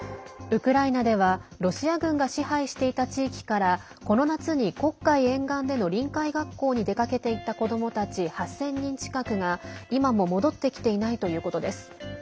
ウクライナではロシア軍が支配していた地域からこの夏に黒海沿岸での臨海学校に出かけていった子どもたち８０００人近くが今も戻ってきていないということです。